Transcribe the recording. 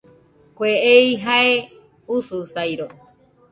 Kue ei jae ususairo